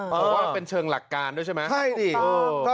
เพราะว่าเป็นเชิงหลักการด้วยใช่ไหมใช่ดิ